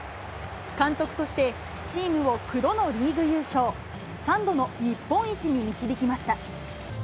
監督としてチームを９度のリーグ優勝、３度の日本一に導きました。